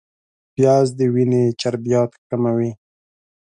پیاز د وینې چربیات کموي